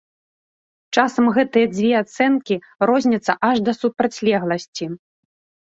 Часам гэтыя дзве ацэнкі розняцца аж да супрацьлегласці.